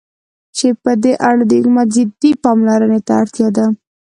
چې په دې اړه د حكومت جدي پاملرنې ته اړتيا ده.